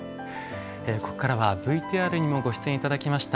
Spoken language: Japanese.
ここからはＶＴＲにもご出演いただきました